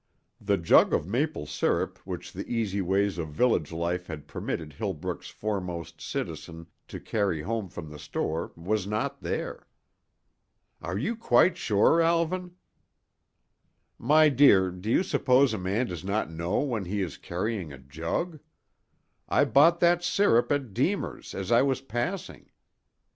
The jug of maple sirup which the easy ways of village life had permitted Hillbrook's foremost citizen to carry home from the store was not there. "Are you quite sure, Alvan?" "My dear, do you suppose a man does not know when he is carrying a jug? I bought that sirup at Deemer's as I was passing.